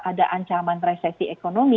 ada ancaman resesi ekonomi